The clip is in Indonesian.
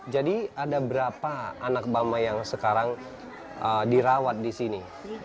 jadi ada berapa anak mama yang sekarang dirawat di sini